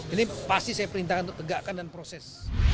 ini pasti saya perintahkan untuk tegakkan dan proses